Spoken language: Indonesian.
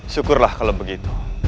syukurlah kalau begitu